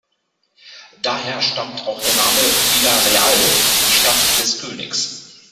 Daher stammt auch der Name "Vila-real", die „Stadt des Königs“.